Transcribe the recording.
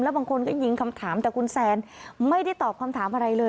บางคนก็ยิงคำถามแต่คุณแซนไม่ได้ตอบคำถามอะไรเลย